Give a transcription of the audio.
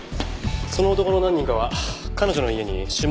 その男の何人かは彼女の家に指紋を残してました。